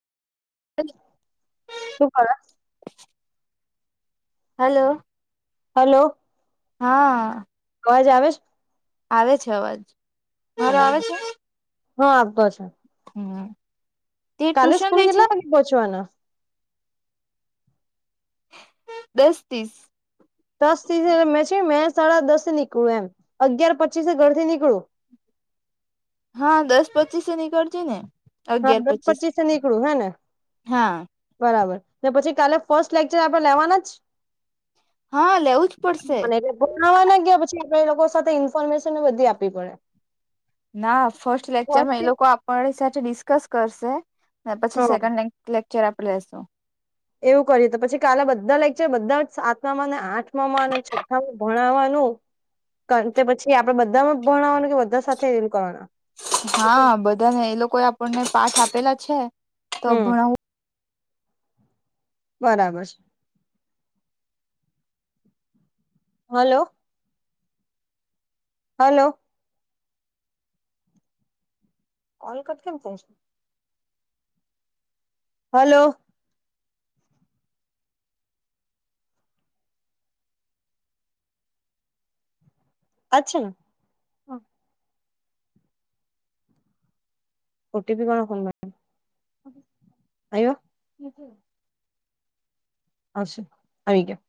શું કરે [inaudible] હાલો. હલો હા. અવાજ આવે છે? આવે છે અવાજ. મારો આવે બરાબર. છે હા આવતો છે. હમ! તે કાલે ટ્યુશન સ્કૂલ લે છે કેટલા વાગે પોચવાના? દસ, તીસ દસ- તીસે મે છે મેં સાડા દસે નીકળું એમ. અગિયાર પચીસે ઘર થી નીકળું. હા દસ પચીસએ નીકળજે ને હા અગિયાર દસ પચીસ પચીસે નીકળું હે ને હા બરાબર પછી કાલે ફર્સ્ટ લેક્ચર આપડે લેવાના જ હા લેવું જ પડશે ભણવાના ગયા પછી આપેડે એ લોકો સાથે ઇન્ફોર્મેશન બધી આપવી પડે. ના ફર્સ્ટ લેકચરમાં એ લોકો આપરી સાથે ડિસ્કસ કરશે, ને પછી હા સેકન્ડ લે લેક્ચર આપડે લેશું. એવું કરી તો પછી કાલે બધા લેક છે બધા જ સાતમામાં ને આઠમાં અને છઠ્ઠામાં ભણવાનું. કાન્ત તે પછી આપડે બધા માં ભણાવવાના કે બધા સાથે એ કરવાના હા બધાને એ લોકો આપણને પાઠ આપેલા છે. તો હમ ભણાવું બરાબર છે. હલો. હલો. કોલ કટ કેમ થશ? હલો. આ છે ને? ઓટીપી વાળા ફોન કરે. આવ્યા? આવ. આવી ગયા.